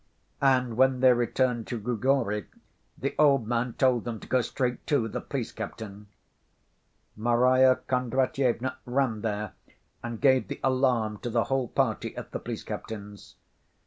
And when they returned to Grigory, the old man told them to go straight to the police captain. Marya Kondratyevna ran there and gave the alarm to the whole party at the police captain's.